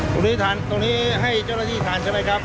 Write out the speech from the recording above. ครับตรงนี้ทานตรงนี้ให้เจ้าละที่ทานใช่ไหมครับ